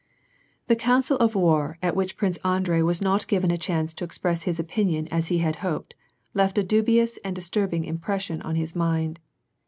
The council of war at which Prince Andrei was not given a chance to express his opinion as he had hoped, left a dubious and disturbing impression on his mind.